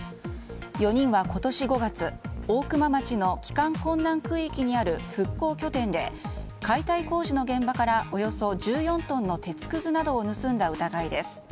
４人は今年５月大熊町の帰還困難区域にある復興拠点で解体工事の現場からおよそ１４トンの鉄くずなどを盗んだ疑いです。